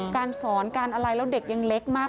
การสอนการอะไรแล้วเด็กยังเล็กมาก